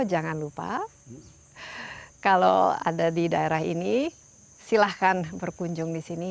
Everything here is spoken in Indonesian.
jangan lupa kalau ada di daerah ini silahkan berkunjung di sini